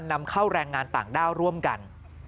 นำเข้าแรงงานต่างด้าวร่วมกัน